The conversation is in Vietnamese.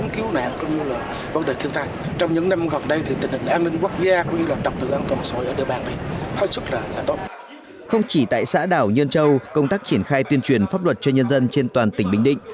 không chỉ tại xã đảo nhân châu công tác triển khai tuyên truyền pháp luật cho nhân dân trên toàn tỉnh bình định